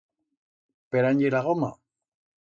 Per án ye la goma?